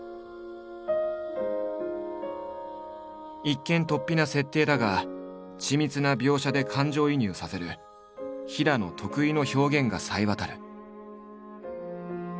一見とっぴな設定だが緻密な描写で感情移入させる平野得意の表現が冴え渡る。